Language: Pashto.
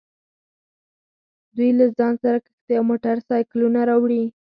دوی له ځان سره کښتۍ او موټر سایکلونه راوړي